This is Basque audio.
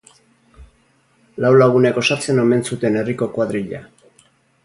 Lau lagunek osatzen omen zuten herriko koadrila.